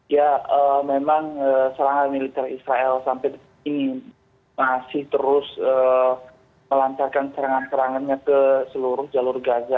ya memang serangan militer israel sampai ini masih terus melancarkan serangan serangannya ke seluruh jalur gaza